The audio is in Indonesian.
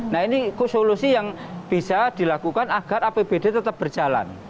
nah ini solusi yang bisa dilakukan agar apbd tetap berjalan